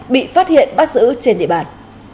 bị phát hiện bắt giữ trên địa bàn